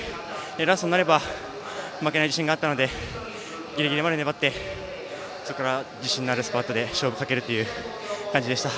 ラストになれば負けない自信があったのでギリギリまで粘ってそこから自信のあるスパートで勝負をかけるという感じでした。